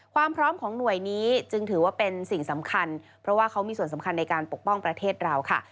ความพร้อมของหน่วยนี้จึงถือว่าเป็นสิ่งสำคัญเพราะว่าเขามีส่วนสำคัญในการปกป้องประเทศเราค่ะ